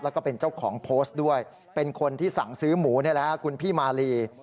แล้วก็เป็นเจ้าของโพสต์ด้วยเป็นคนที่สั่งซื้อหมูนี่แหละคุณพี่มาลี